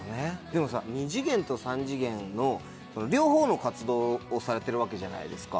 でもさ２次元と３次元の両方の活動をされてるわけじゃないですか。